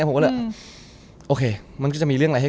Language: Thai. ผมก็เลยโอเค